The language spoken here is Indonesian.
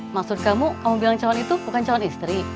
maksud kamu kamu bilang calon itu bukan calon istri